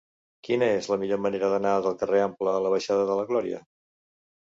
Quina és la millor manera d'anar del carrer Ample a la baixada de la Glòria?